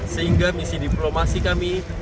sehingga misi diplomasi kami